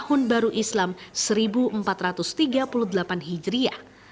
tahun baru islam seribu empat ratus tiga puluh delapan hijriah